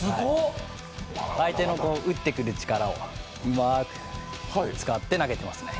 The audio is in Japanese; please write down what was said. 相手の打ってくる力をうまく使って投げてますね。